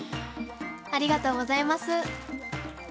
ありがとうございます。